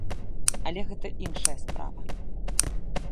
Але гэта іншая справа.